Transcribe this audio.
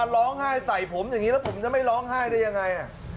ร้องไห้ใส่ผมอย่างนี้แล้วผมจะไม่ร้องไห้ได้ยังไง